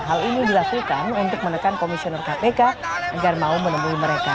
hal ini dilakukan untuk menekan komisioner kpk agar mau menemui mereka